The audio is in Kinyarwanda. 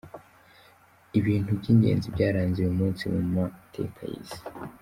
Ibintu by’ingenzi byaranze uyu munsi mu matka y’isi:.